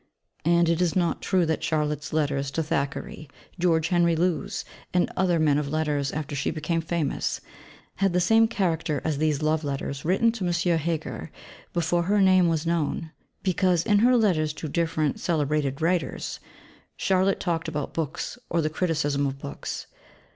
And it is not true that Charlotte's letters to Thackeray, George Henry Lewes and other men of letters after she became famous, had the same character as these love letters written to M. Heger before her name was known; because in her letters to different celebrated writers, Charlotte talked about books or the criticism of books.